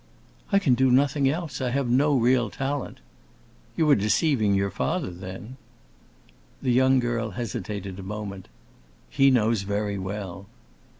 "I can do nothing else; I have no real talent." "You are deceiving your father, then." The young girl hesitated a moment. "He knows very well!"